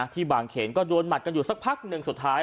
ที่บางเขนก็โดนหมัดกันอยู่สักพักหนึ่งสุดท้าย